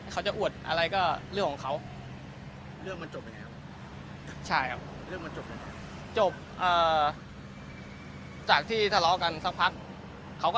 เค้าจะอวดไรในเรื่องของเค้า